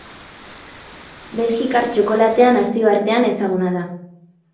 Belgikar txokolatea nazioartean ezaguna da.